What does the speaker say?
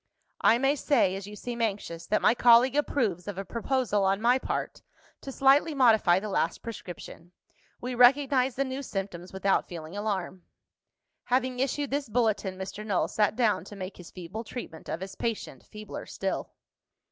"I may say (as you seem anxious) that my colleague approves of a proposal, on my part, to slightly modify the last prescription. We recognise the new symptoms, without feeling alarm." Having issued this bulletin, Mr. Null sat down to make his feeble treatment of his patient feebler still.